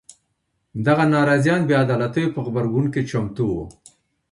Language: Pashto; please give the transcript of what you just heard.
دغه ناراضیان بې عدالیتو په غبرګون کې چمتو وو.